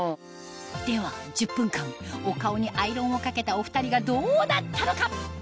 では１０分間お顔にアイロンをかけたお二人がどうなったのか？